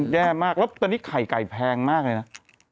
แย่มากแล้วตอนนี้ไข่ไก่แพงมากเลยนะ